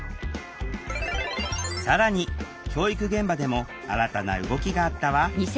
更に教育現場でも新たな動きがあったわ。